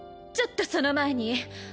ちょっとその前に